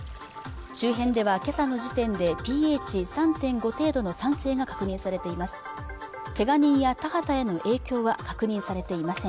周辺ではけさの時点でＰＨ３．５程度の酸性が確認されています